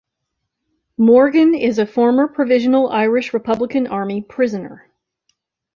Morgan is a former Provisional Irish Republican Army prisoner.